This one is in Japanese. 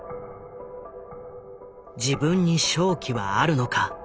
自分に勝機はあるのか。